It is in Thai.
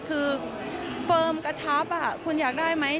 คือเฟิร์มกระชับคุณอยากได้ไหม